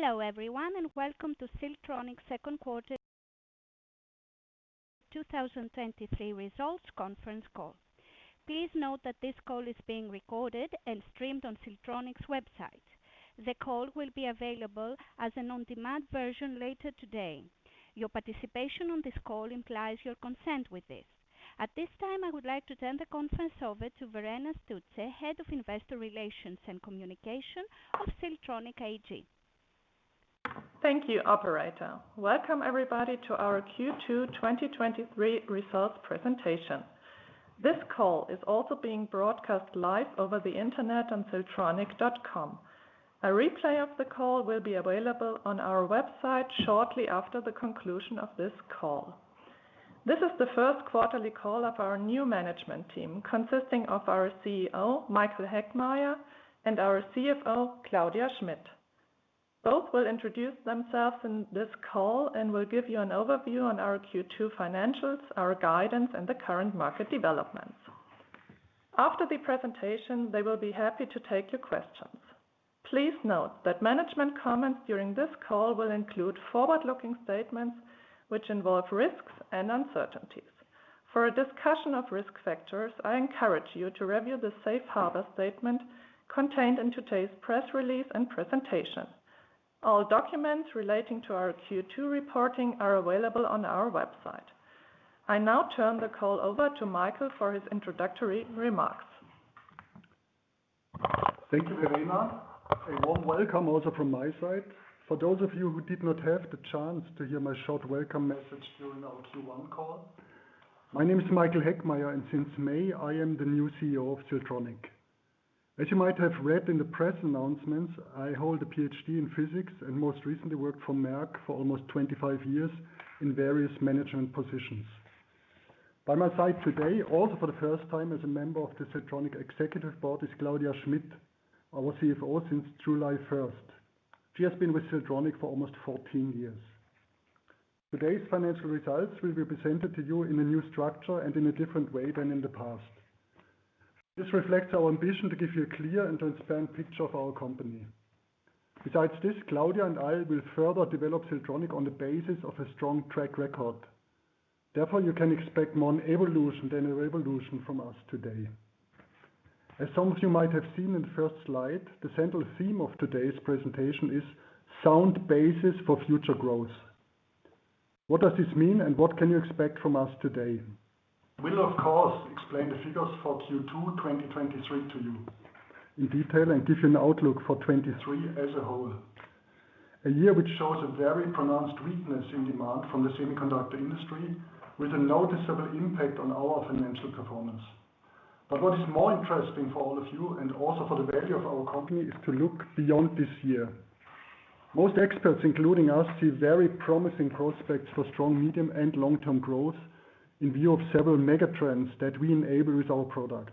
Hello everyone, welcome to Siltronic's second quarter 2023 results conference call. Please note that this call is being recorded and streamed on Siltronic's website. The call will be available as an on-demand version later today. Your participation on this call implies your consent with this. At this time, I would like to turn the conference over to Verena Stütze, Head of Investor Relations & Communications of Siltronic AG. Thank you, operator. Welcome everybody to our Q2 2023 results presentation. This call is also being broadcast live over the internet on siltronic.com. A replay of the call will be available on our website shortly after the conclusion of this call. This is the first quarterly call of our new management team, consisting of our CEO, Michael Heckmeier, and our CFO, Claudia Schmitt. Both will introduce themselves in this call and will give you an overview on our Q2 financials, our guidance, and the current market developments. After the presentation, they will be happy to take your questions. Please note that management comments during this call will include forward-looking statements which involve risks and uncertainties. For a discussion of risk factors, I encourage you to review the safe harbor statement contained in today's press release and presentation. All documents relating to our Q2 reporting are available on our website. I now turn the call over to Michael for his introductory remarks. Thank you, Verena Stütze. A warm welcome also from my side. For those of you who did not have the chance to hear my short welcome message during our Q1 call, my name is Michael Heckmeier, and since May, I am the new CEO of Siltronic. As you might have read in the press announcements, I hold a PhD in physics and most recently worked for Merck for almost 25 years in various management positions. By my side today, also for the first time as a member of the Siltronic executive board, is Claudia Schmitt, our CFO, since July 1st. She has been with Siltronic for almost 14 years. Today's financial results will be presented to you in a new structure and in a different way than in the past. This reflects our ambition to give you a clear and transparent picture of our company. Besides this, Claudia and I will further develop Siltronic on the basis of a strong track record. Therefore, you can expect more an evolution than a revolution from us today. As some of you might have seen in the first slide, the central theme of today's presentation is Sound Basis for Future Growth. What does this mean, and what can you expect from us today? We'll, of course, explain the figures for Q2 2023 to you in detail and give you an outlook for 2023 as a whole. A year which shows a very pronounced weakness in demand from the semiconductor industry, with a noticeable impact on our financial performance. What is more interesting for all of you, and also for the value of our company, is to look beyond this year. Most experts, including us, see very promising prospects for strong medium and long-term growth in view of several mega trends that we enable with our products.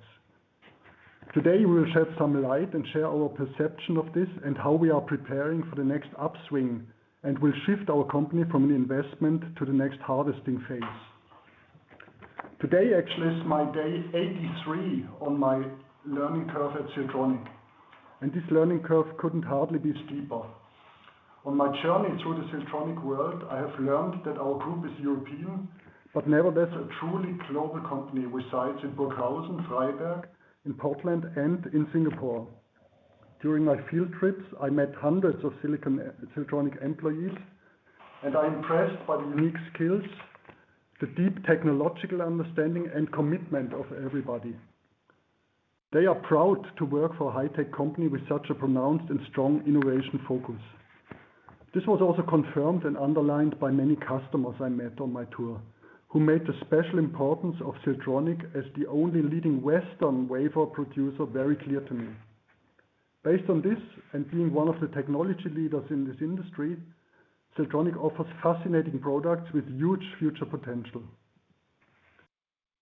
Today, we will shed some light and share our perception of this and how we are preparing for the next upswing, and will shift our company from an investment to the next harvesting phase. Today actually is my day 83 on my learning curve at Siltronic, and this learning curve couldn't hardly be steeper. On my journey through the Siltronic world, I have learned that our group is European, but nevertheless, a truly global company with sites in Burghausen, Freiberg, in Portland, and in Singapore. During my field trips, I met hundreds of Silicon Siltronic employees, and I'm impressed by the unique skills, the deep technological understanding, and commitment of everybody. They are proud to work for a high-tech company with such a pronounced and strong innovation focus. This was also confirmed and underlined by many customers I met on my tour, who made the special importance of Siltronic as the only leading Western wafer producer very clear to me. Based on this, and being one of the technology leaders in this industry, Siltronic offers fascinating products with huge future potential.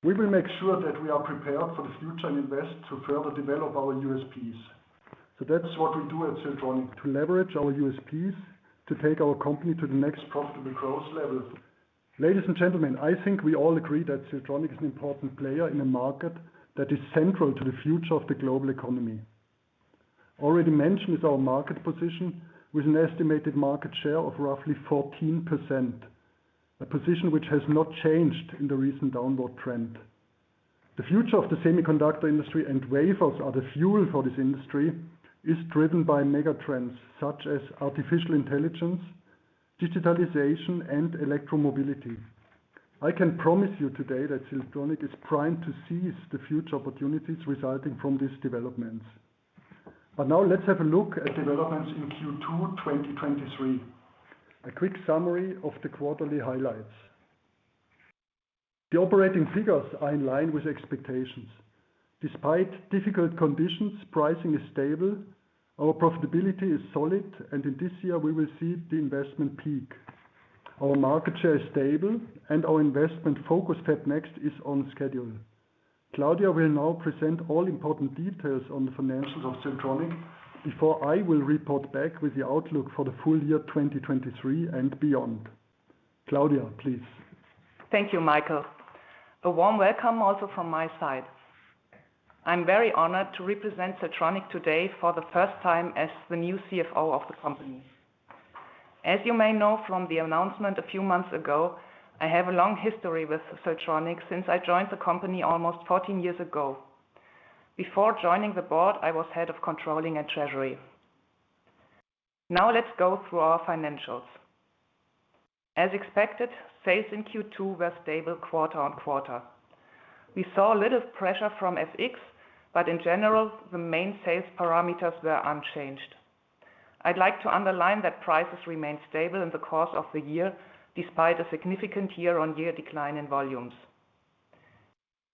We will make sure that we are prepared for the future and invest to further develop our USPs. That's what we do at Siltronic, to leverage our USPs to take our company to the next profitable growth level. Ladies and gentlemen, I think we all agree that Siltronic is an important player in a market that is central to the future of the global economy. Already mentioned is our market position, with an estimated market share of roughly 14%, a position which has not changed in the recent downward trend. The future of the semiconductor industry and wafers are the fuel for this industry, is driven by mega trends such as artificial intelligence, digitalization, and electromobility. I can promise you today that Siltronic is primed to seize the future opportunities resulting from these developments. Now let's have a look at developments in Q2 2023. A quick summary of the quarterly highlights. The operating figures are in line with expectations. Despite difficult conditions, pricing is stable, our profitability is solid, and in this year, we will see the investment peak. Our market share is stable, and our investment focus step next is on schedule. Claudia will now present all important details on the financials of Siltronic before I will report back with the outlook for the full year 2023 and beyond. Claudia, please. Thank you, Michael. A warm welcome also from my side. I'm very honored to represent Siltronic today for the first time as the new CFO of the company. As you may know from the announcement a few months ago, I have a long history with Siltronic since I joined the company almost 14 years ago. Before joining the board, I was Head of Controlling and Treasury. Let's go through our financials. As expected, sales in Q2 were stable quarter-on-quarter. We saw a little pressure from FX, in general, the main sales parameters were unchanged. I'd like to underline that prices remained stable in the course of the year, despite a significant year-on-year decline in volumes.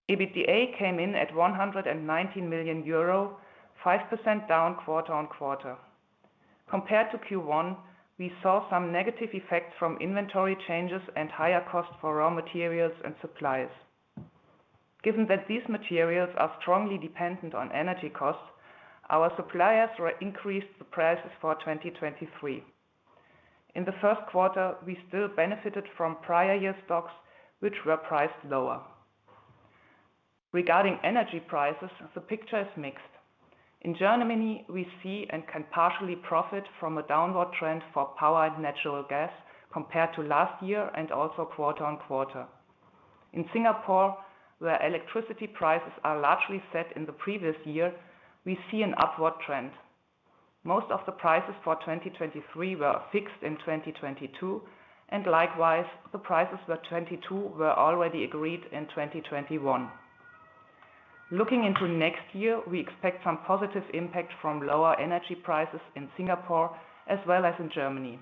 EBITDA came in at 119 million euro, 5% down quarter-on-quarter. Compared to Q1, we saw some negative effects from inventory changes and higher costs for raw materials and supplies. Given that these materials are strongly dependent on energy costs, our suppliers were increased the prices for 2023. In the first quarter, we still benefited from prior-year stocks, which were priced lower. Regarding energy prices, the picture is mixed. In Germany, we see and can partially profit from a downward trend for power and natural gas compared to last year and also quarter-on-quarter. In Singapore, where electricity prices are largely set in the previous year, we see an upward trend. Most of the prices for 2023 were fixed in 2022, and likewise, the prices for 2022 were already agreed in 2021. Looking into next year, we expect some positive impact from lower energy prices in Singapore as well as in Germany.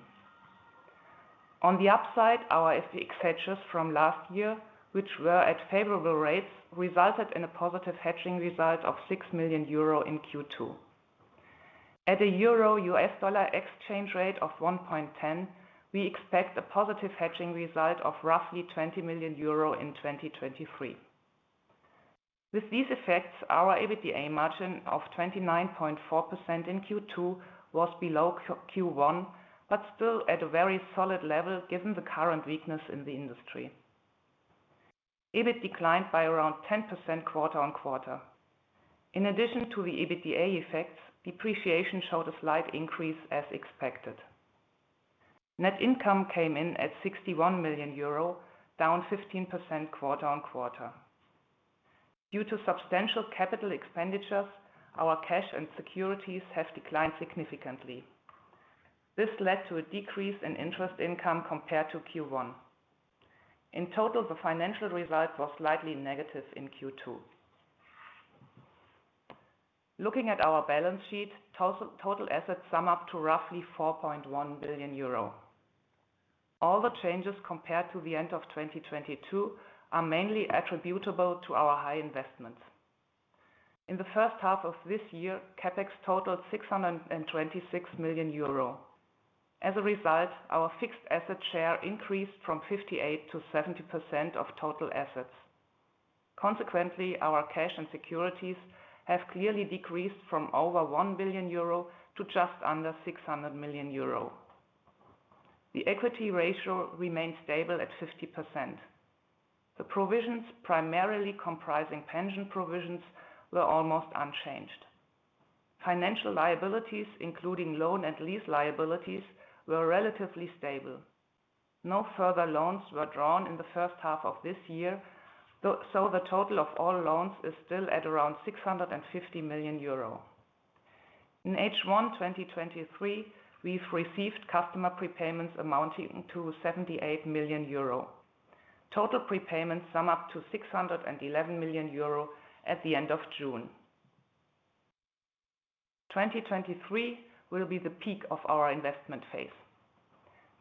On the upside, our FX hedges from last year, which were at favorable rates, resulted in a positive hedging result of 6 million euro in Q2. At a euro-USD exchange rate of 1.10, we expect a positive hedging result of roughly 20 million euro in 2023. With these effects, our EBITDA margin of 29.4% in Q2 was below Q1, but still at a very solid level given the current weakness in the industry. EBIT declined by around 10% quarter-on-quarter. In addition to the EBITDA effects, depreciation showed a slight increase as expected. Net income came in at 61 million euro, down 15% quarter-on-quarter. Due to substantial capital expenditures, our cash and securities have declined significantly. This led to a decrease in interest income compared to Q1. In total, the financial result was slightly negative in Q2. Looking at our balance sheet, total assets sum up to roughly 4.1 billion euro. All the changes compared to the end of 2022 are mainly attributable to our high investments. In the first half of this year, CapEx totaled 626 million euro. As a result, our fixed asset share increased from 58%-70% of total assets. Consequently, our cash and securities have clearly decreased from over 1 billion euro to just under 600 million euro. The equity ratio remains stable at 50%. The provisions, primarily comprising pension provisions, were almost unchanged. Financial liabilities, including loan and lease liabilities, were relatively stable. No further loans were drawn in the first half of this year, so the total of all loans is still at around 650 million euro. In H1, 2023, we've received customer prepayments amounting to 78 million euro. Total prepayments sum up to 611 million euro at the end of June. 2023 will be the peak of our investment phase.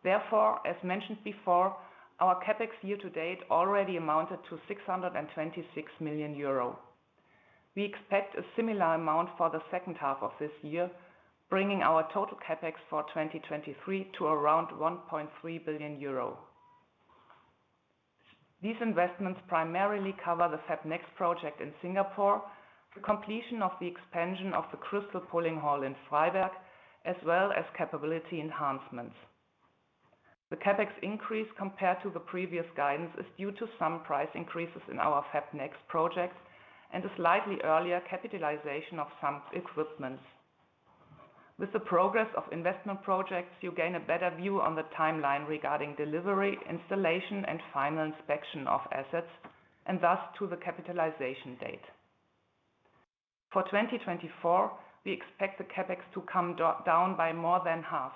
As mentioned before, our CapEx year-to-date already amounted to 626 million euro. We expect a similar amount for the second half of this year, bringing our total CapEx for 2023 to around 1.3 billion euro. These investments primarily cover the FabNext project in Singapore, the completion of the expansion of the crystal pulling hall in Freiberg, as well as capability enhancements. The CapEx increase compared to the previous guidance is due to some price increases in our FabNext projects and a slightly earlier capitalization of some equipments. With the progress of investment projects, you gain a better view on the timeline regarding delivery, installation, and final inspection of assets, and thus, to the capitalization date. For 2024, we expect the CapEx to come down by more than half.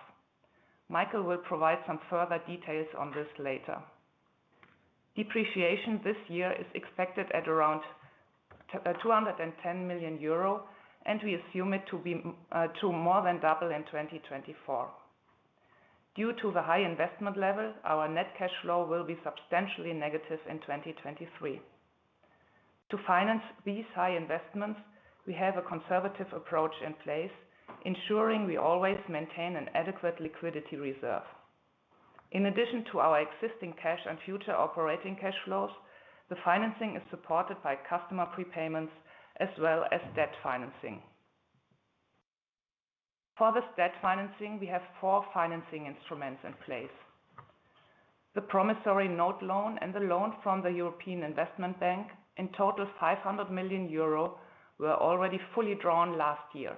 Michael will provide some further details on this later. Depreciation this year is expected at around 200 mm and 10 million euro, and we assume it to more than double in 2024. Due to the high investment level, our net cash flow will be substantially negative in 2023. To finance these high investments, we have a conservative approach in place, ensuring we always maintain an adequate liquidity reserve. In addition to our existing cash and future operating cash flows, the financing is supported by customer prepayments as well as debt financing. This debt financing, we have four financing instruments in place. The promissory note loan and the loan from the European Investment Bank, in total 500 million euro, were already fully drawn last year.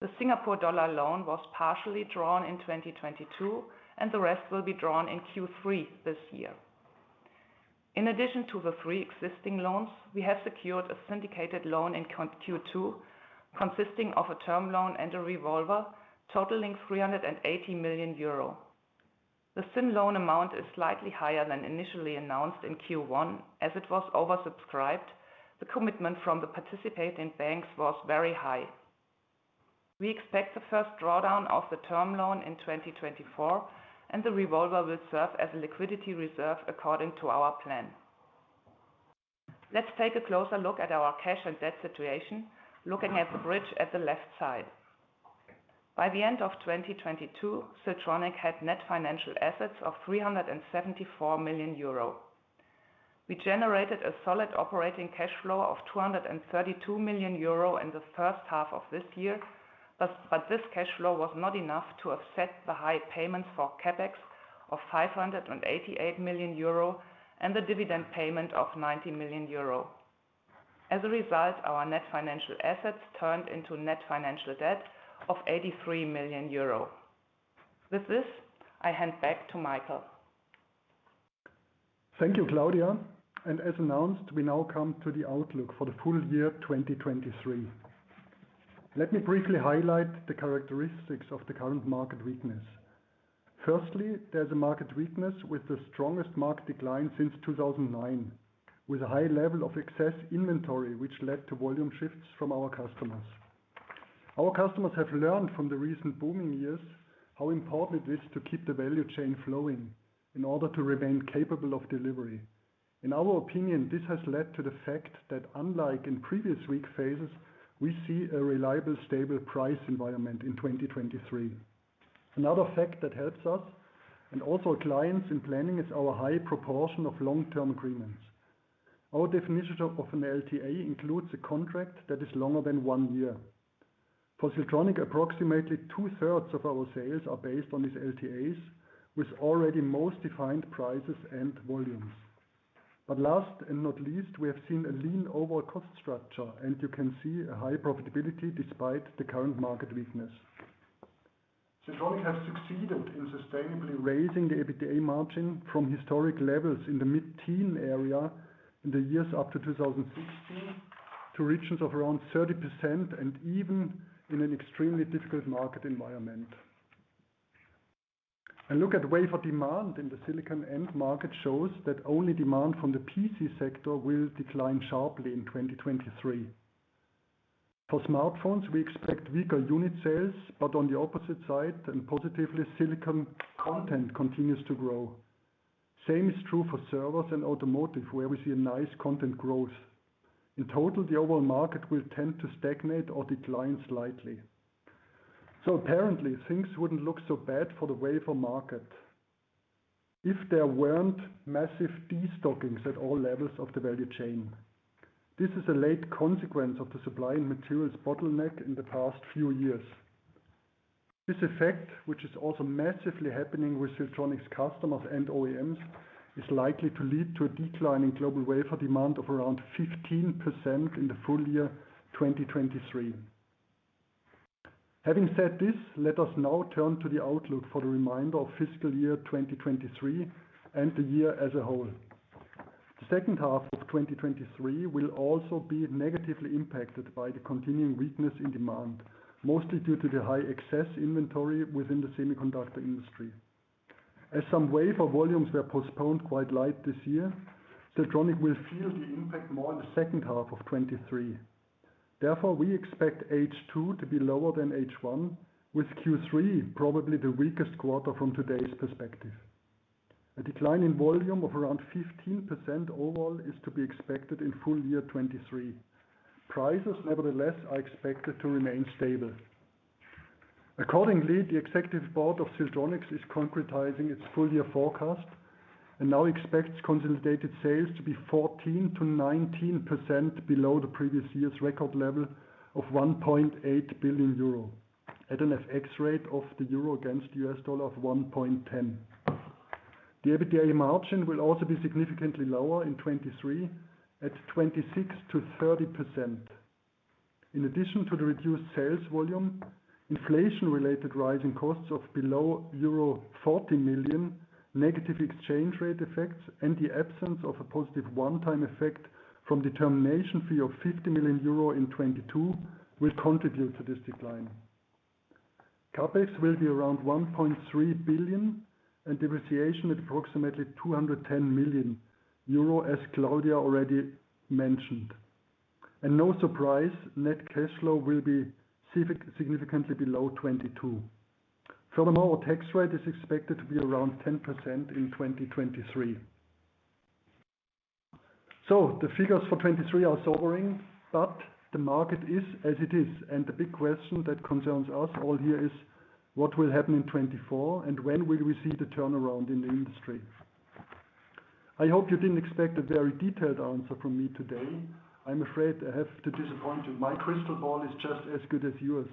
The Singapore dollar loan was partially drawn in 2022, the rest will be drawn in Q3 this year. In addition to the three existing loans, we have secured a syndicated loan in Q2, consisting of a term loan and a revolver totaling 380 million euro. The syn loan amount is slightly higher than initially announced in Q1. It was oversubscribed, the commitment from the participating banks was very high. We expect the first drawdown of the term loan in 2024. The revolver will serve as a liquidity reserve according to our plan. Let's take a closer look at our cash and debt situation, looking at the bridge at the left side. By the end of 2022, Siltronic had net financial assets of 374 million euro. We generated a solid operating cash flow of 200 mm and 32 million euro in the first half of this year. This cash flow was not enough to offset the high payments for CapEx of 588 million euro and the dividend payment of 90 million euro. As a result, our net financial assets turned into net financial debt of 83 million euro. With this, I hand back to Michael. Thank you, Claudia. As announced, we now come to the outlook for the full year 2023. Let me briefly highlight the characteristics of the current market weakness. Firstly, there's a market weakness with the strongest market decline since 2009, with a high level of excess inventory, which led to volume shifts from our customers. Our customers have learned from the recent booming years how important it is to keep the value chain flowing in order to remain capable of delivery. In our opinion, this has led to the fact that unlike in previous weak phases, we see a reliable, stable price environment in 2023. Another fact that helps us and also our clients in planning, is our high proportion of long-term agreements. Our definition of an LTA includes a contract that is longer than one year. For Siltronic, approximately 2/3 of our sales are based on these LTAs, with already most defined prices and volumes. Last and not least, we have seen a lean overall cost structure, and you can see a high profitability despite the current market weakness. Siltronic has succeeded in sustainably raising the EBITDA margin from historic levels in the mid-teen area in the years up to 2016, to regions of around 30%, and even in an extremely difficult market environment. A look at wafer demand in the silicon end market shows that only demand from the PC sector will decline sharply in 2023. For smartphones, we expect weaker unit sales, but on the opposite side and positively, silicon content continues to grow. Same is true for servers and automotive, where we see a nice content growth. In total, the overall market will tend to stagnate or decline slightly. Apparently things wouldn't look so bad for the wafer market if there weren't massive destockings at all levels of the value chain. This is a late consequence of the supply and materials bottleneck in the past few years. This effect, which is also massively happening with Siltronic's customers and OEMs, is likely to lead to a decline in global wafer demand of around 15% in the full year 2023. Having said this, let us now turn to the outlook for the remainder of fiscal year 2023 and the year as a whole. The second half of 2023 will also be negatively impacted by the continuing weakness in demand, mostly due to the high excess inventory within the semiconductor industry. As some wafer volumes were postponed quite light this year, Siltronic will feel the impact more in the second half of 2023. Therefore, we expect H2 to be lower than H1, with Q3 probably the weakest quarter from today's perspective. A decline in volume of around 15% overall is to be expected in full year 2023. Prices, nevertheless, are expected to remain stable. Accordingly, the executive board of Siltronic is concretizing its full year forecast and now expects consolidated sales to be 14%-19% below the previous year's record level of 1.8 billion euro, at an FX rate of the euro against US dollar of 1.10. The EBITDA margin will also be significantly lower in 2023, at 26%-30%. In addition to the reduced sales volume, inflation-related rising costs of below euro 40 million, negative exchange rate effects, and the absence of a positive one-time effect from the termination fee of 50 million euro in 2022, will contribute to this decline. CapEx will be around 1.3 billion and depreciation at approximately 200 mm and 10 million euro, as Claudia already mentioned. No surprise, net cash flow will be significantly below 2022. Furthermore, our tax rate is expected to be around 10% in 2023. The figures for 2023 are sobering, but the market is as it is, and the big question that concerns us all here is: What will happen in 2024, and when will we see the turnaround in the industry? I hope you didn't expect a very detailed answer from me today. I'm afraid I have to disappoint you. My crystal ball is just as good as yours.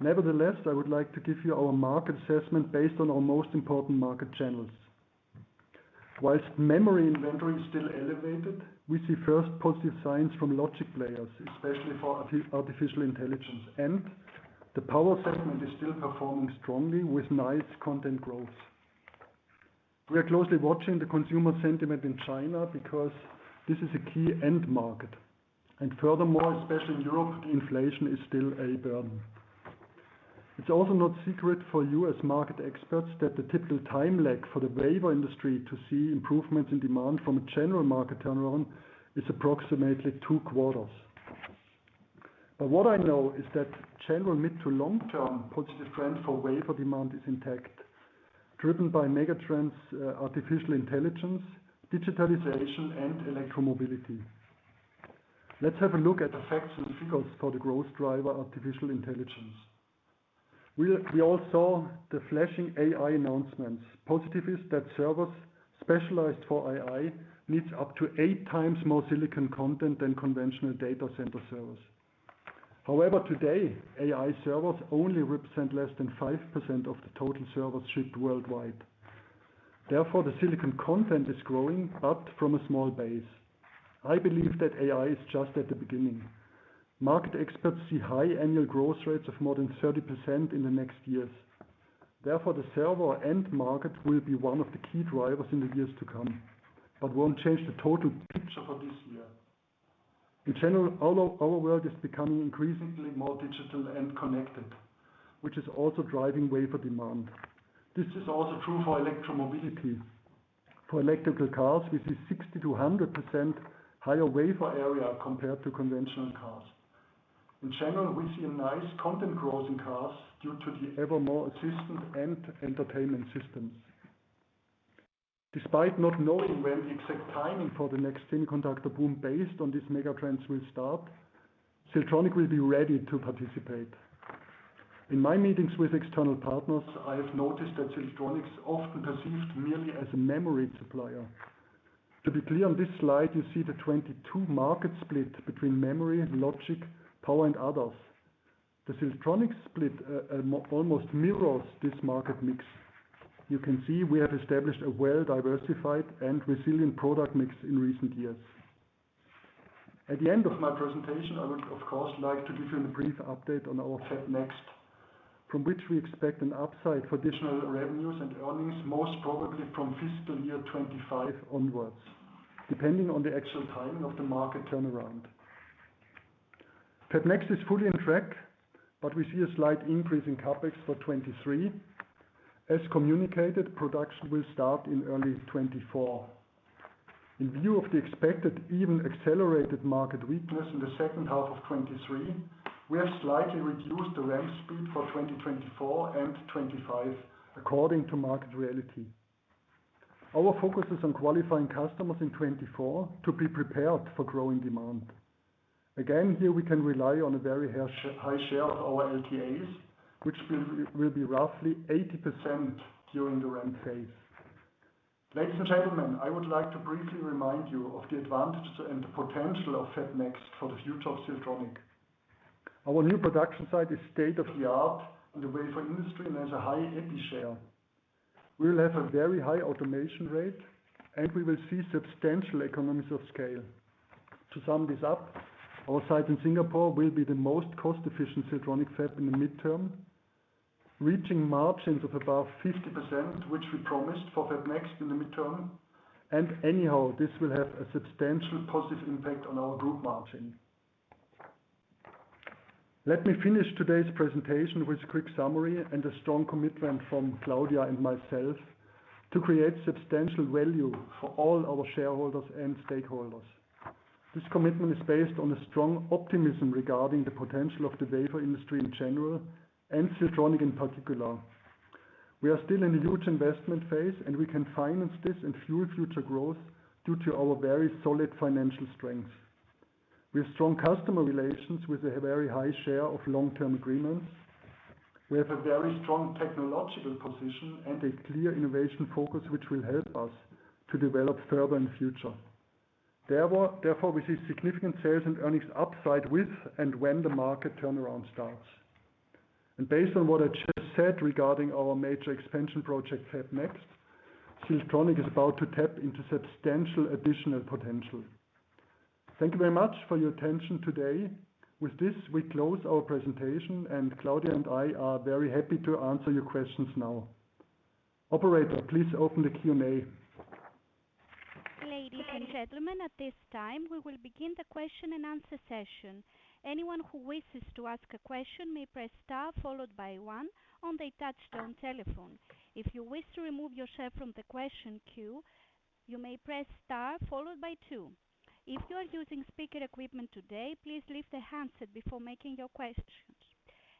Nevertheless, I would like to give you our market assessment based on our most important market channels. Whilst memory inventory is still elevated, we see first positive signs from logic players, especially for artificial intelligence, and the power segment is still performing strongly with nice content growth. We are closely watching the consumer sentiment in China because this is a key end market, and furthermore, especially in Europe, the inflation is still a burden. It's also not secret for you as market experts, that the typical time lag for the wafer industry to see improvements in demand from a general market turnaround is approximately two quarters. What I know is that general mid to long-term positive trend for wafer demand is intact, driven by megatrends, artificial intelligence, digitalization, and electromobility. Let's have a look at the facts and figures for the growth driver, artificial intelligence. We all saw the flashing AI announcements. Positive is that servers specialized for AI needs up to eight times more silicon content than conventional data center servers. Today, AI servers only represent less than 5% of the total servers shipped worldwide. The silicon content is growing, but from a small base. I believe that AI is just at the beginning. Market experts see high annual growth rates of more than 30% in the next years. The server end market will be one of the key drivers in the years to come, but won't change the total picture for this year. In general, our world is becoming increasingly more digital and connected, which is also driving wafer demand. This is also true for electromobility. For electrical cars, we see 60%-100% higher wafer area compared to conventional cars. In general, we see a nice content growth in cars due to the ever more assistant and entertainment systems. Despite not knowing when the exact timing for the next semiconductor boom based on these megatrends will start, Siltronic will be ready to participate. In my meetings with external partners, I have noticed that Siltronic is often perceived merely as a memory supplier. To be clear, on this slide, you see the 22 market split between memory and logic, power, and others. The Siltronic split almost mirrors this market mix. You can see we have established a well-diversified and resilient product mix in recent years. At the end of my presentation, I would, of course, like to give you a brief update on our FabNext, from which we expect an upside for additional revenues and earnings, most probably from fiscal year 2025 onwards, depending on the actual timing of the market turnaround. FabNext is fully on track, we see a slight increase in CapEx for 2023. As communicated, production will start in early 2024. In view of the expected even accelerated market weakness in the second half of 2023, we have slightly reduced the ramp speed for 2024 and 2025, according to market reality. Our focus is on qualifying customers in 2024 to be prepared for growing demand. Again, here we can rely on a very high share of our LTAs, which will be roughly 80% during the ramp phase. Ladies and gentlemen, I would like to briefly remind you of the advantages and the potential of FabNext for the future of Siltronic. Our new production site is state-of-the-art in the wafer industry and has a high epi share. We will have a very high automation rate, and we will see substantial economies of scale. To sum this up, our site in Singapore will be the most cost-efficient Siltronic fab in the midterm, reaching margins of above 50%, which we promised for FabNext in the midterm, and anyhow, this will have a substantial positive impact on our group margin. Let me finish today's presentation with a quick summary and a strong commitment from Claudia and myself to create substantial value for all our shareholders and stakeholders. This commitment is based on a strong optimism regarding the potential of the wafer industry in general and Siltronic in particular. We are still in a huge investment phase. We can finance this and fuel future growth due to our very solid financial strength. We have strong customer relations with a very high share of long-term agreements. We have a very strong technological position and a clear innovation focus, which will help us to develop further in the future. Therefore, we see significant sales and earnings upside with and when the market turnaround starts. Based on what I just said regarding our major expansion project, FabNext, Siltronic is about to tap into substantial additional potential. Thank you very much for your attention today. With this, we close our presentation, and Claudia and I are very happy to answer your questions now. Operator, please open the Q&A. Ladies and gentlemen, at this time, we will begin the question and answer session. Anyone who wishes to ask a question may press star followed by one on the touch-tone telephone. If you wish to remove yourself from the question queue, you may press star followed by two. If you are using speaker equipment today, please leave the handset before making your questions.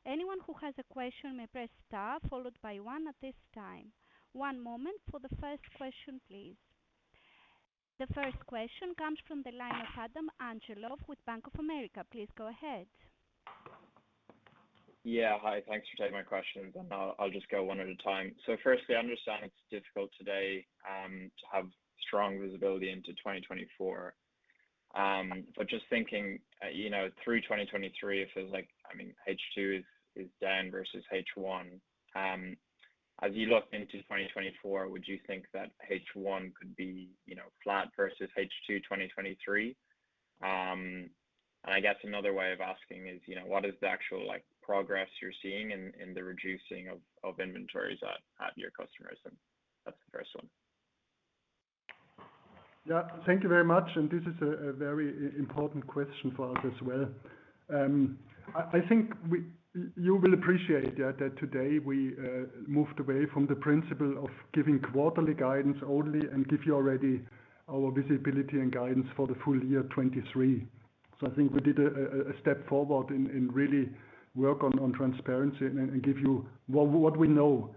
Anyone who has a question may press star followed by one at this time. One moment for the first question, please. The first question comes from the line of Adam Angelov with Bank of America. Please go ahead. Yeah. Hi, thanks for taking my questions. I'll just go one at a time. Firstly, I understand it's difficult today to have strong visibility into 2024. Just thinking, you know, through 2023, if there's like, I mean, H2 is down versus H1. As you look into 2024, would you think that H1 could be, you know, flat versus H2 2023? I guess another way of asking is, you know, what is the actual, like, progress you're seeing in the reducing of inventories at your customers? That's the first one. Thank you very much, this is a very important question for us as well. I think you will appreciate that today we moved away from the principle of giving quarterly guidance only and give you already our visibility and guidance for the full year 2023. I think we did a step forward in really work on transparency and give you what we know.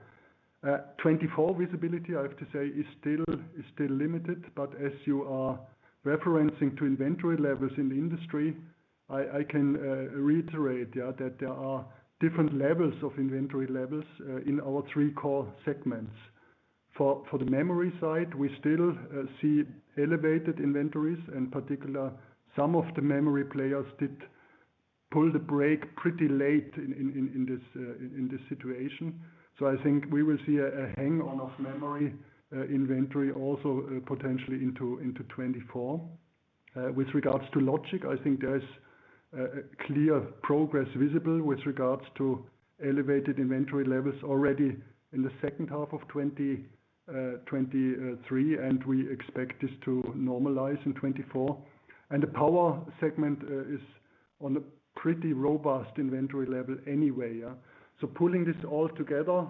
2024 visibility, I have to say, is still limited, but as you are referencing to inventory levels in the industry, I can reiterate that there are different levels of inventory levels in our three core segments. For the memory side, we still see elevated inventories. In particular, some of the memory players did pull the brake pretty late in this situation. I think we will see a hang on of memory inventory also potentially into 2024. With regards to logic, I think there's a clear progress visible with regards to elevated inventory levels already in the second half of 2023, and we expect this to normalize in 2024. The power segment is on a pretty robust inventory level anyway, yeah. Pulling this all together,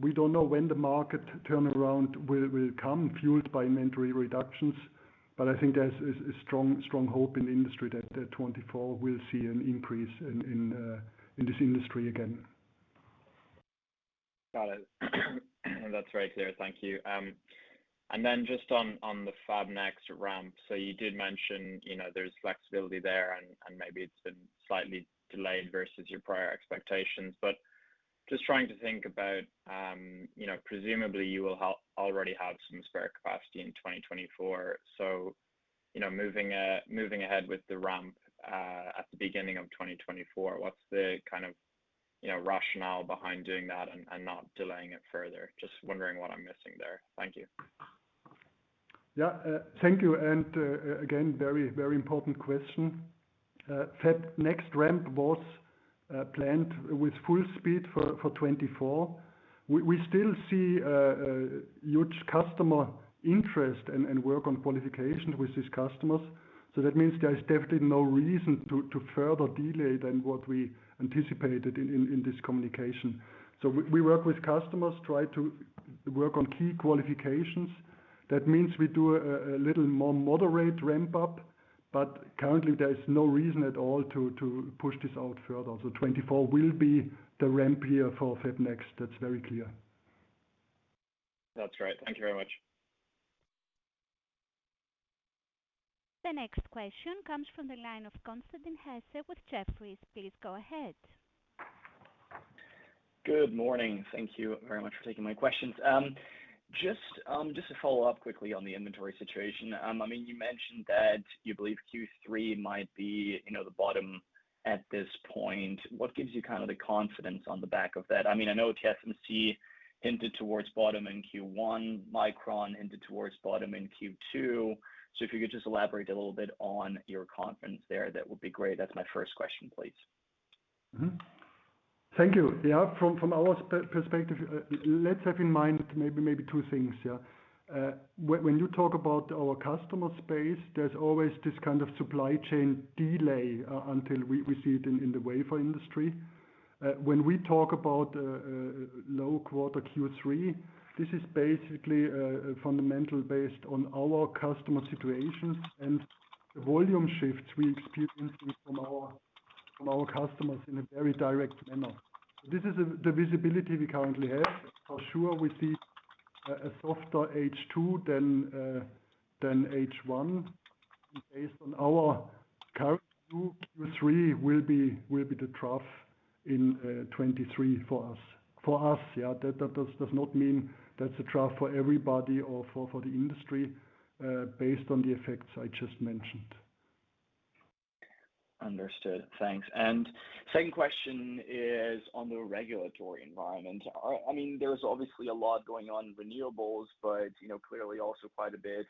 we don't know when the market turnaround will come, fueled by inventory reductions, but I think there's a strong hope in the industry that 2024 will see an increase in this industry again. Got it. That's very clear. Thank you. Just on the FabNext ramp. You did mention, you know, there's flexibility there, and maybe it's been slightly delayed versus your prior expectations. Just trying to think about, you know, presumably you already have some spare capacity in 2024. Moving ahead with the ramp, at the beginning of 2024, what's the kind of, you know, rationale behind doing that and not delaying it further? Just wondering what I'm missing there. Thank you. Yeah, thank you, again, very, very important question. FabNext ramp was planned with full speed for 2024. We still see huge customer interest and work on qualification with these customers, so that means there's definitely no reason to further delay than what we anticipated in this communication. We work with customers, try to work on key qualifications. That means we do a little more moderate ramp up, but currently there is no reason at all to push this out further. 2024 will be the ramp year for FabNext. That's very clear. That's great. Thank you very much. The next question comes from the line of Constantin Hesse with Jefferies. Please go ahead. Good morning. Thank you very much for taking my questions. Just to follow up quickly on the inventory situation. I mean, you mentioned that you believe Q3 might be, you know, the bottom at this point. What gives you kind of the confidence on the back of that? I mean, I know TSMC hinted towards bottom in Q1, Micron hinted towards bottom in Q2. If you could just elaborate a little bit on your confidence there, that would be great. That's my first question, please. Thank you. Yeah, from our perspective, let's have in mind maybe two things, yeah. When you talk about our customer space, there's always this kind of supply chain delay until we see it in the wafer industry. When we talk about low quarter Q3, this is basically a fundamental based on our customer situations and the volume shifts we experiencing from our customers in a very direct manner. This is the visibility we currently have. For sure, we see a softer H2 than H1. Based on our current group, Q3 will be the trough in 2023 for us. For us, yeah, that does not mean that's a trough for everybody or for the industry, based on the effects I just mentioned. Understood. Thanks. Second question is on the regulatory environment. I mean, there is obviously a lot going on renewables but, you know, clearly also quite a bit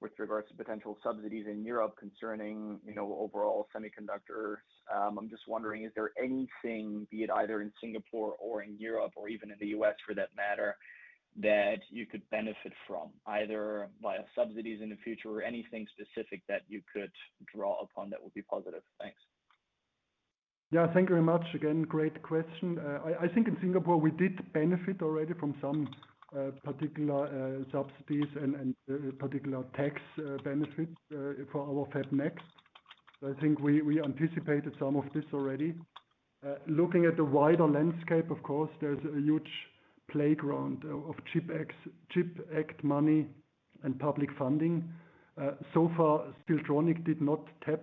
with regards to potential subsidies in Europe concerning, you know, overall semiconductors. I'm just wondering, is there anything, be it either in Singapore or in Europe, or even in the U.S. for that matter, that you could benefit from, either via subsidies in the future or anything specific that you could draw upon that would be positive? Thanks. Thank you very much. Again, great question. I think in Singapore we did benefit already from some particular subsidies and particular tax benefits for our FabNext. I think we anticipated some of this already. Looking at the wider landscape, of course, there's a huge playground of CHIPS Acts, CHIPS Act money and public funding. So far, Siltronic did not tap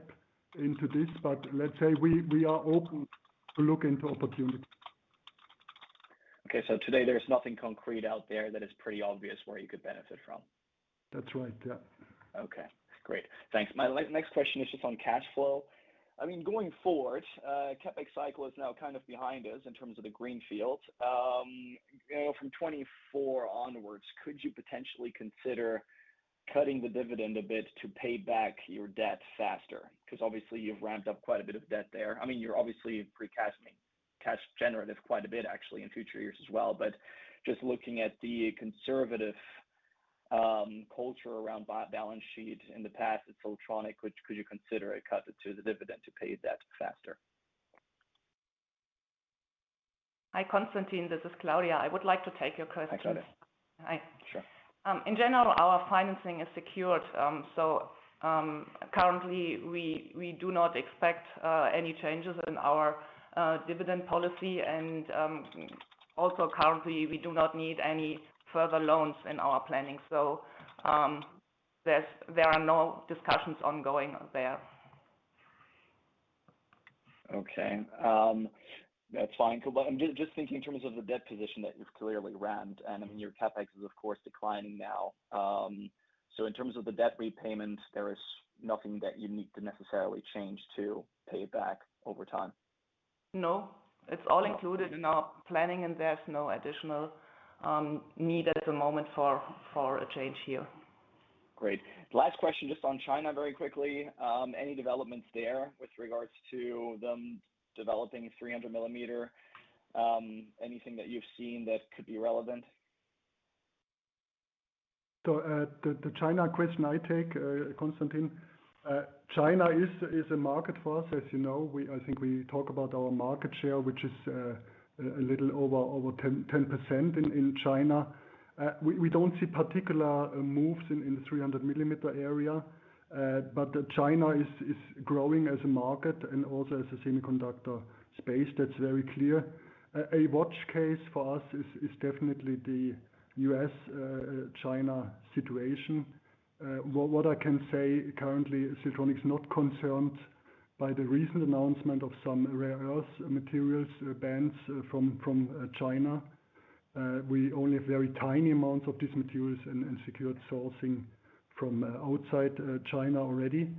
into this, but let's say we are open to look into opportunities. Okay, today there's nothing concrete out there that is pretty obvious where you could benefit from? That's right. Yeah. Okay, great. Thanks. My next question is just on cash flow. I mean, going forward, CapEx cycle is now kind of behind us in terms of the greenfield. You know, from 2024 onwards, could you potentially consider cutting the dividend a bit to pay back your debt faster? 'Cause obviously, you've ramped up quite a bit of debt there. I mean, you're obviously pre-cashing, cash generative quite a bit, actually, in future years as well. Just looking at the conservative culture around balance sheet in the past at Siltronic, could you consider a cut to the dividend to pay debt faster? Hi, Constantin, this is Claudia. I would like to take your question. Hi, Claudia. Hi. Sure. In general, our financing is secured, so currently, we do not expect any changes in our dividend policy. Also, currently, we do not need any further loans in our planning. There are no discussions ongoing there. Okay, that's fine. I'm just thinking in terms of the debt position that you've clearly ramped, and I mean, your CapEx is, of course, declining now. In terms of the debt repayment, there is nothing that you need to necessarily change to pay it back over time? No, it's all included in our planning, and there's no additional need at the moment for a change here. Great. Last question, just on China very quickly. Any developments there with regards to them developing a 300 mm? Anything that you've seen that could be relevant? The China question, I take Constantin. China is a market for us, as you know. I think we talk about our market share, which is a little over 10% in China. We don't see particular moves in the 300 mm area, but China is growing as a market and also as a semiconductor space. That's very clear. A watch case for us is definitely the U.S. China situation. What I can say, currently, Siltronic is not concerned by the recent announcement of some rare earth materials bans from China. We only have very tiny amounts of these materials and secured sourcing from outside China already.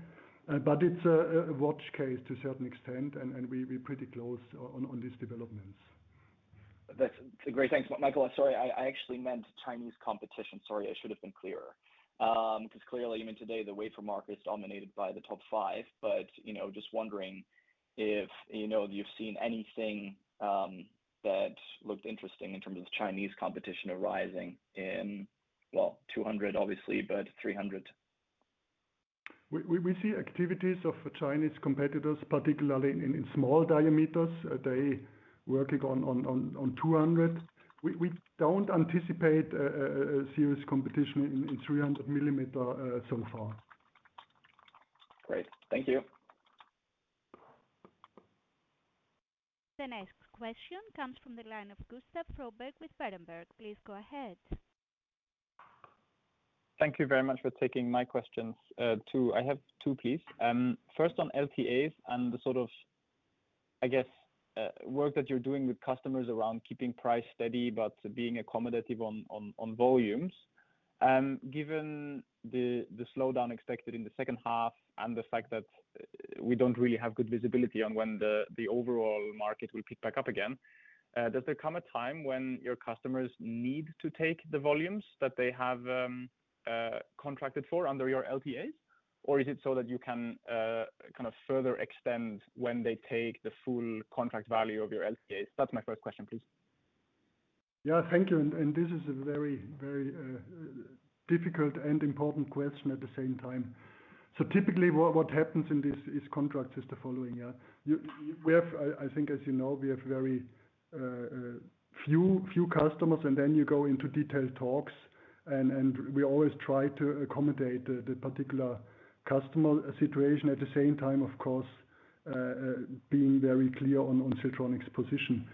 It's a watch case to a certain extent, and we're pretty close on these developments. That's great. Thanks, Michael. I'm sorry, I actually meant Chinese competition. Sorry, I should have been clearer. 'Cause clearly, I mean, today, the wafer market is dominated by the top five, but, you know, just wondering if, you know, you've seen anything that looked interesting in terms of Chinese competition arising in, well, 200 mm, obviously, but 300 mm. We see activities of Chinese competitors, particularly in small diameters. They working on 200 mm. We don't anticipate a serious competition in 300 mm, so far. Great. Thank you. The next question comes from the line of Gustav Froberg with Berenberg. Please go ahead. Thank you very much for taking my questions. I have two, please. First, on LTAs and the, sort of, I guess, work that you're doing with customers around, keeping price steady, but being accommodative on volumes. Given the slowdown expected in the second half and the fact that we don't really have good visibility on when the overall market will pick back up again, does there come a time when your customers need to take the volumes that they have contracted for under your LTAs? Or is it so that you can kind of further extend when they take the full contract value of your LTAs? That's my first question, please. Thank you. This is a very difficult and important question at the same time. Typically, what happens in these contracts is the following, yeah? We have, I think as you know, we have very few customers, and then you go into detailed talks, and we always try to accommodate the particular customer situation. At the same time, of course, being very clear on Siltronic's position.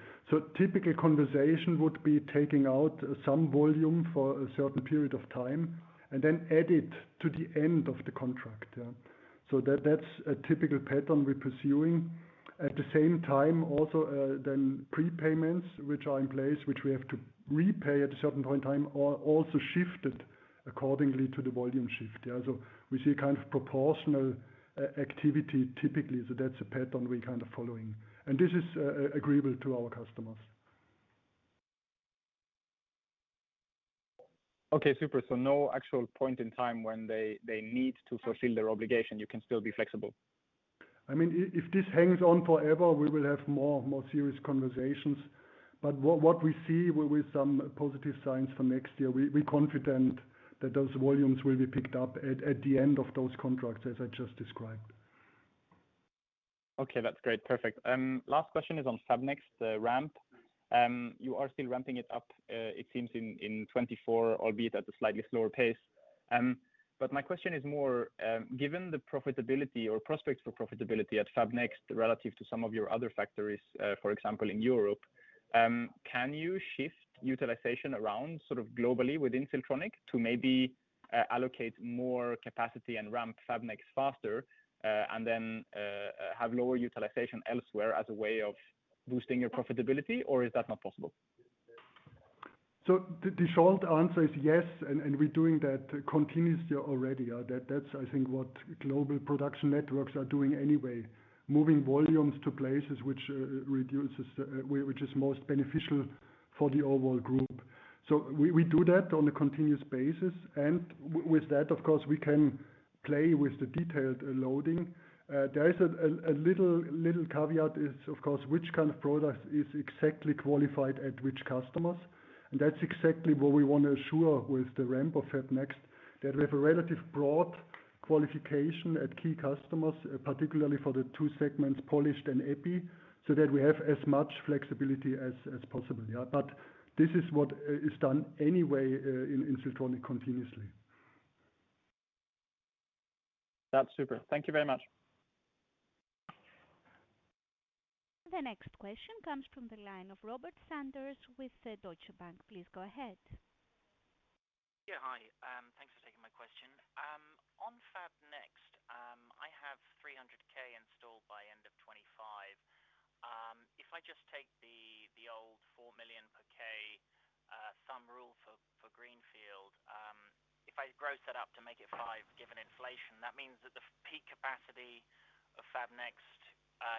Typical conversation would be taking out some volume for a certain period of time and then add it to the end of the contract, yeah. At the same time, also, then prepayments, which are in place, which we have to repay at a certain point in time, are also shifted accordingly to the volume shift. We see a kind of proportional activity typically. That's a pattern we're kind of following, and this is agreeable to our customers. Okay, super. No actual point in time when they need to fulfill their obligation, you can still be flexible? I mean, if this hangs on forever, we will have more serious conversations. What we see with some positive signs for next year, we confident that those volumes will be picked up at the end of those contracts, as I just described. Okay, that's great. Perfect. Last question is on FabNext, the ramp. You are still ramping it up, it seems in 2024, albeit at a slightly slower pace. My question is more, and given the profitability or prospects for profitability at FabNext, relative to some of your other factories, for example, in Europe, can you shift utilization around sort of globally within Siltronic to maybe allocate more capacity and ramp FabNext faster, and then have lower utilization elsewhere as a way of boosting your profitability, or is that not possible? The short answer is yes, and we're doing that continuously already. That's, I think, what global production networks are doing anyway, moving volumes to places which reduces which is most beneficial for the overall group. We do that on a continuous basis, and with that, of course, we can play with the detailed loading. There is a little caveat is, of course, which kind of product is exactly qualified at which customers. That's exactly what we want to assure with the ramp of FabNext, that we have a relative broad qualification at key customers, particularly for the two segments, polished and epi, so that we have as much flexibility as possible. This is what is done anyway in Siltronic continuously. That's super. Thank you very much. The next question comes from the line of Robert Sanders with Deutsche Bank. Please go ahead. Hi, thanks for taking my question. On FabNext, I have 300 K installed by end of 2025. If I just take the old 4 million per K, some rule for Greenfield, if I gross that up to make it 5 million, given inflation, that means that the peak capacity of FabNext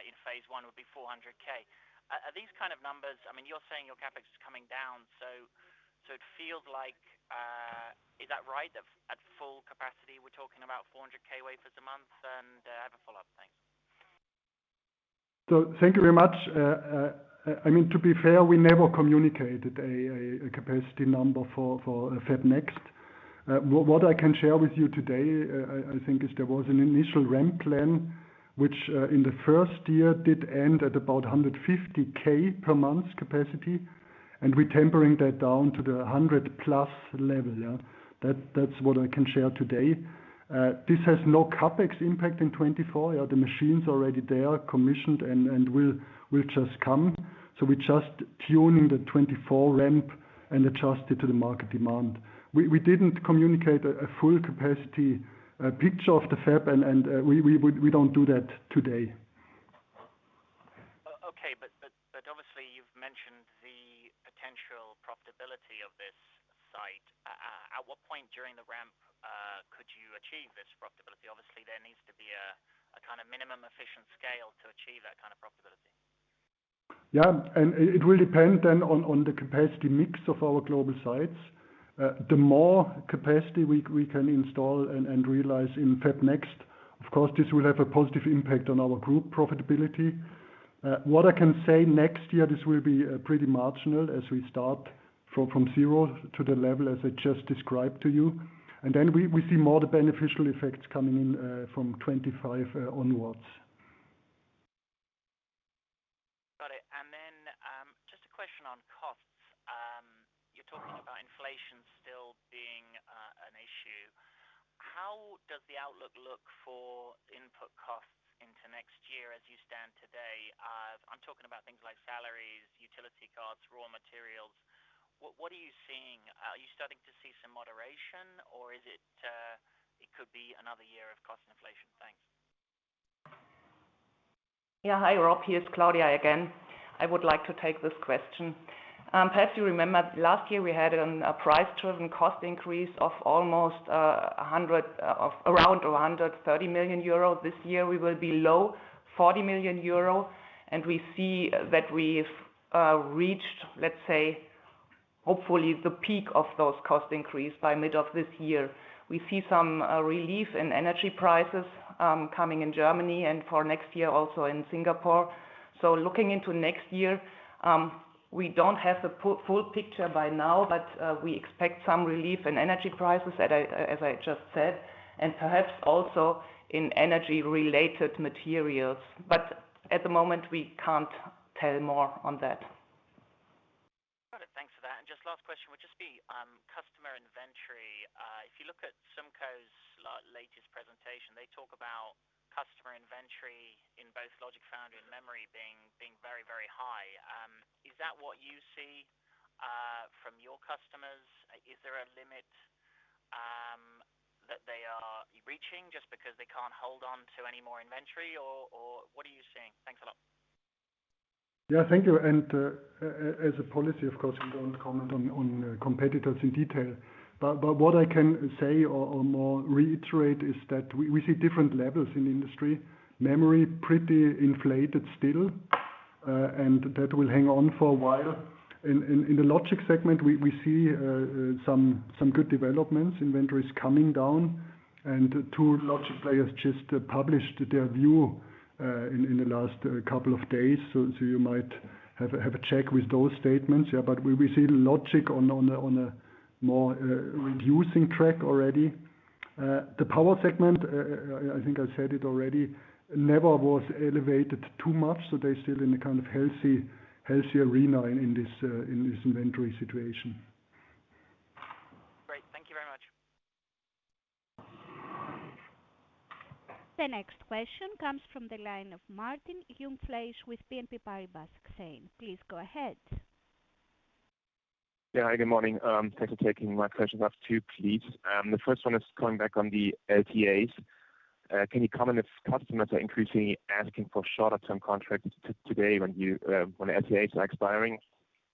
in phase one would be 400 K. Are these kind of numbers, I mean, you're saying your CapEx is coming down, so it feels like... Is that right? That at full capacity, we're talking about 400 K wafers a month, and I have a follow-up. Thanks. Thank you very much. I mean, to be fair, we never communicated a capacity number for FabNext. What I can share with you today, I think, is there was an initial ramp plan, which in the first year did end at about 150K per month capacity, and we're tempering that down to the 100+ level. That's what I can share today. This has no CapEx impact in 2024. The machines are already there, commissioned and will just come. We just tuning the 2024 ramp and adjust it to the market demand. We didn't communicate a full capacity picture of the fab, and we don't do that today. Okay, obviously, you've mentioned the potential profitability of this site. At what point during the ramp, could you achieve this profitability? Obviously, there needs to be a kind of minimum efficient scale to achieve that kind of profitability. Yeah, it will depend then on the capacity mix of our global sites. The more capacity we can install and realize in FabNext, of course, this will have a positive impact on our group profitability. What I can say next year, this will be pretty marginal as we start from zero to the level, as I just described to you. Then we see more the beneficial effects coming in from 25 onwards. Got it. Just a question on costs. You're talking about inflation still being an issue. How does the outlook look for input costs into next year as you stand today? I'm talking about things like salaries, utility costs, raw materials. What are you seeing? Are you starting to see some moderation, or is it could be another year of cost and inflation? Thanks. Hi, Robert Sanders, here's Claudia Schmitt again. I would like to take this question. Perhaps you remember last year we had a price-driven cost increase of around 130 million euro. This year, we will be low 40 million euro, and we see that we've reached, let's say, hopefully, the peak of those cost increase by mid of this year. We see some relief in energy prices coming in Germany and for next year, also in Singapore. Looking into next year, we don't have the full picture by now, we expect some relief in energy prices, as I just said, and perhaps also in energy-related materials. At the moment, we can't tell more on that. Got it. Thanks for that. Just last question would just be, customer inventory. If you look at SUMCO's latest presentation, they talk about customer inventory in both logic, foundry, and memory being very, very high. Is that what you see, from your customers? Is there a limit, that they are reaching just because they can't hold on to any more inventory? Or what are you seeing? Thanks a lot. Thank you. As a policy, of course, we don't comment on competitors in detail. What I can say or more reiterate is that we see different levels in the industry. Memory, pretty inflated still, and that will hang on for a while. In the logic segment, we see some good developments. Inventory is coming down, two logic players just published their view in the last couple of days. You might have a check with those statements. We see logic on a more reducing track already. The power segment, I think I said it already, never was elevated too much, so they're still in a kind of healthy arena in this inventory situation. Great. Thank you very much. The next question comes from the line of Martin Jungfleisch with BNP Paribas Exane. Please go ahead. Yeah. Hi, good morning. Thanks for taking my questions. I have two, please. The first one is coming back on the LTAs. Can you comment if customers are increasingly asking for shorter term contracts today when you, when LTAs are expiring?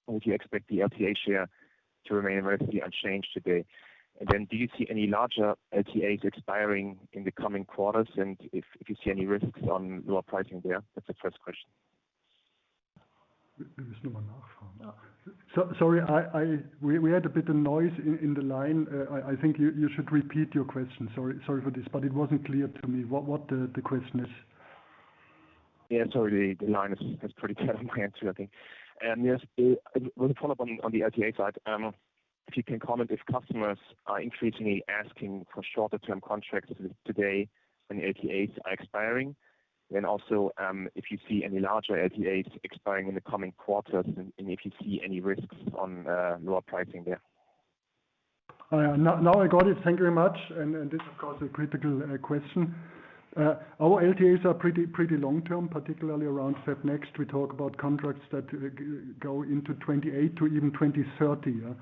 Do you expect the LTA share to remain roughly unchanged today? Do you see any larger LTAs expiring in the coming quarters? If you see any risks on lower pricing there? That's the first question. sorry, we had a bit of noise in the line. I think you should repeat your question. Sorry for this, but it wasn't clear to me what the question is. Yeah, sorry. The line is pretty terrible here, too, I think. Yes, with a follow-up on the LTAs side, if you can comment if customers are increasingly asking for shorter term contracts today, when LTAs are expiring. Also, if you see any larger LTAs expiring in the coming quarters and if you see any risks on lower pricing there. Now I got it. Thank you very much. And this, of course, a critical question. Our LTAs are pretty long-term, particularly around FabNext. We talk about contracts that go into 2028 to even 2030,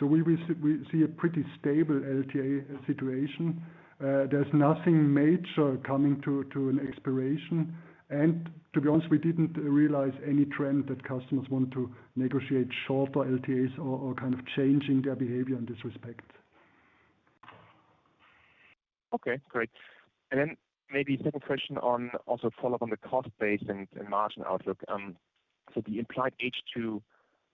yeah. We see a pretty stable LTA situation. There's nothing major coming to an expiration. To be honest, we didn't realize any trend that customers want to negotiate shorter LTAs or kind of changing their behavior in this respect. Okay, great. Maybe second question. Also follow up on the cost base and margin outlook. The implied H2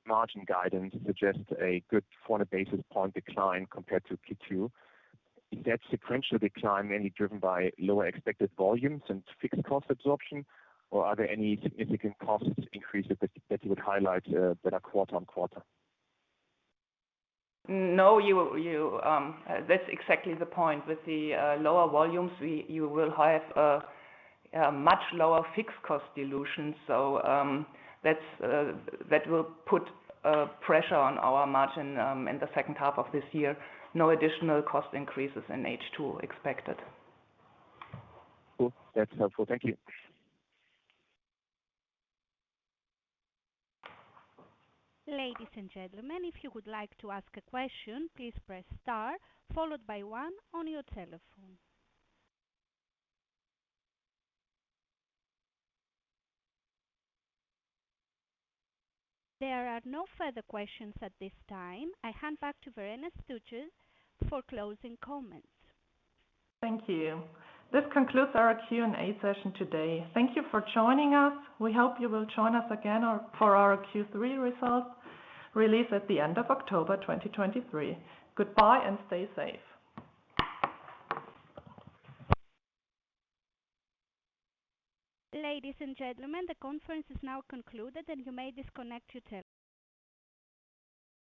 margin guidance suggests a good 40 basis point decline compared to Q2. Is that sequential decline mainly driven by lower expected volumes and fixed cost absorption, or are there any significant cost increases that you would highlight that are quarter-on-quarter? No, you, that's exactly the point. With the lower volumes, you will have much lower fixed cost dilution. That will put pressure on our margin in the second half of this year. No additional cost increases in H2 expected. Cool. That's helpful. Thank you. Ladies and gentlemen, if you would like to ask a question, please press star followed by one on your telephone. There are no further questions at this time. I hand back to Verena Stütze for closing comments. Thank you. This concludes our Q&A session today. Thank you for joining us. We hope you will join us again for our Q3 results release at the end of October 2023. Goodbye and stay safe. Ladies and gentlemen, the conference is now concluded. You may disconnect your telephone.